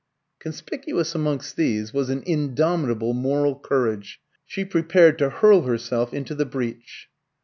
Conspicuous amongst these was an indomitable moral courage. She prepared to hurl herself into the breach.